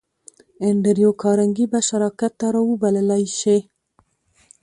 انډريو کارنګي به شراکت ته را وبللای شې؟